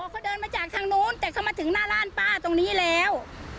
เขาเดินมาจากทางนู้นแต่เขามาถึงหน้าร้านป้าตรงนี้แล้ว